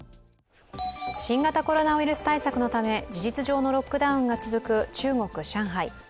新型コロナウイルス対策のため事実上のロックダウンが続く中国・上海。